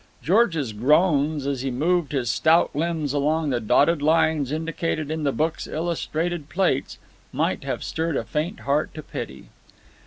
George's groans, as he moved his stout limbs along the dotted lines indicated in the book's illustrated plates, might have stirred a faint heart to pity.